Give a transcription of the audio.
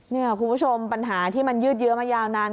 นี่คุณผู้ชมปัญหาที่มันยืดเยอะมายาวนาน